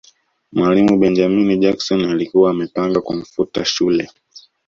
mwalimu benjamin jackson alikuwa amepanga kumfuta shule